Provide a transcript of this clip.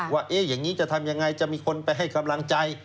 ว่าอย่างนี้จะทำยังไงจะมีคนไปให้กำลังใจ